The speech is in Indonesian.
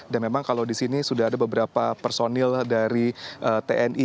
dan memang kalau di sini sudah ada beberapa personil dari tni